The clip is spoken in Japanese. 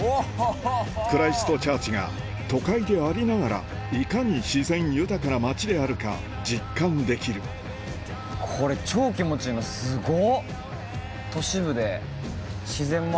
クライストチャーチが都会でありながらいかに自然豊かな街であるか実感できるすごっ！